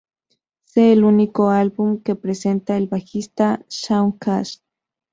Es el único álbum que presenta al bajista Shaun Cash.